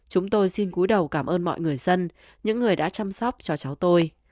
chúng tôi xin cúi đầu cảm ơn mọi người dân những người đã chăm sóc cho cháu tôi